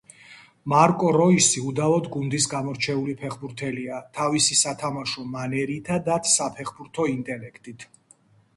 მარკო როისი უდავოდ გუნდის გამორჩეული ფეხბურთელია თავისი სათამაშო მანერითა და საფეხბურთო ინტელექტით.